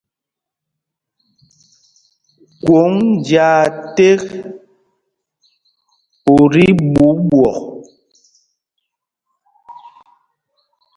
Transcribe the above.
Kwòŋ njāā ték ú tí ɓuu ɓwɔk.